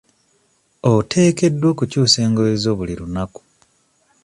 Oteekeddwa okukyusa engoye zo buli lunaku.